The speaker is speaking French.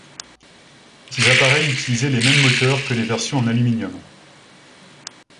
Ces appareils utilisaient les mêmes moteurs que les versions en aluminium.